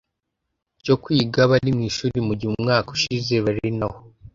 cyo kwiga bari mu ishuri mu gihe umwaka ushize bari naho